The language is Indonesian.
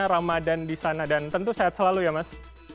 ramadan di sana dan tentu sehat selalu ya mas